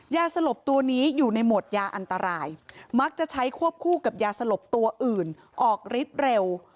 สลบตัวนี้อยู่ในหมวดยาอันตรายมักจะใช้ควบคู่กับยาสลบตัวอื่นออกฤทธิ์เร็ว